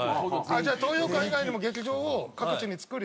じゃあ東洋館以外にも劇場を各地に作り。